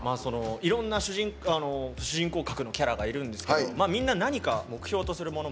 いろんな主人公格のキャラがいるんですけどみんな何か目標とするもの